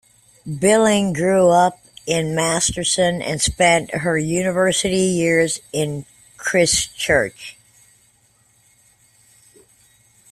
Billing grew up in Masterton, and spent her university years in Christchurch.